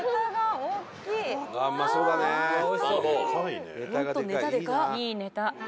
・いいネタ。